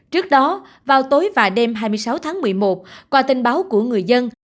trước đó vào tối và đêm hai mươi sáu tháng một mươi một qua tin báo của người dân